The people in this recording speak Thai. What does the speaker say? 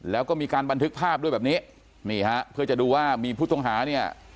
แล้วก็มีการบันทึกภาพด้วยแบบนี้นี่ฮะเพื่อจะดูว่ามีผู้ต้องหาเนี่ย